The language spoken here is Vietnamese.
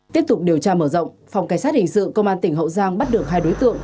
tiếp tục điều tra mở rộng phòng cảnh sát hình sự công an tỉnh hậu giang bắt được hai đối tượng